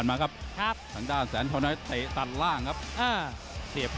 ทาฮุมะนี่เขาในไม่ธรรมดากับ